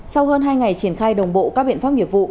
sau hơn hai ngày triển khai đồng bộ các biện pháp nghiệp vụ